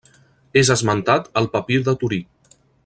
És esmentat al Papir de Torí.